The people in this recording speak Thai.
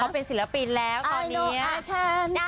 เป็นศิลปินแล้วตอนนี้